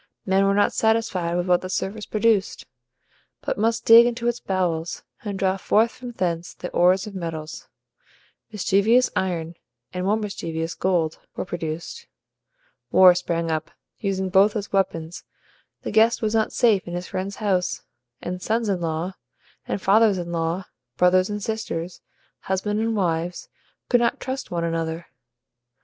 Men were not satisfied with what the surface produced, but must dig into its bowels, and draw forth from thence the ores of metals. Mischievous IRON, and more mischievous GOLD, were produced. War sprang up, using both as weapons; the guest was not safe in his friend's house; and sons in law and fathers in law, brothers and sisters, husbands and wives, could not trust one another.